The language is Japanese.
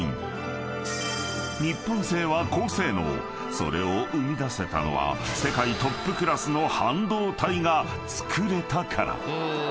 ［それを生み出せたのは世界トップクラスの半導体が作れたから］